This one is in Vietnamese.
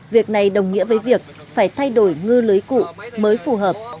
việc này đồng nghĩa với việc phải thay đổi ngư lưới cụ mới phù hợp